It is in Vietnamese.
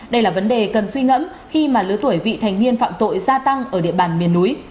đây là vấn đề cần suy ngẫm khi mà lứa tuổi vị thành niên phạm tội gia tăng ở địa bàn miền núi